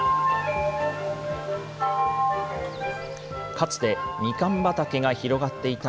かつて、みかん畑が広がっていた